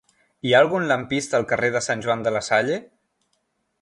Hi ha algun lampista al carrer de Sant Joan de la Salle?